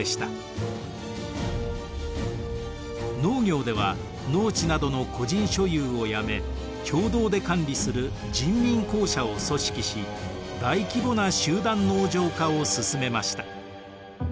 農業では農地などの個人所有をやめ共同で管理する人民公社を組織し大規模な集団農場化を進めました。